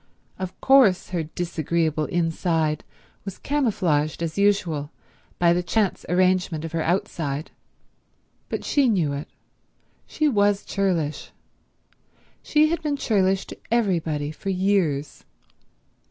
Of course her disagreeable inside was camouflaged as usual by the chance arrangement of her outside; but she knew it. She was churlish. She had been churlish to everybody for years.